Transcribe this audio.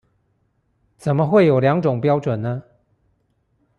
怎麼會有兩種標準呢？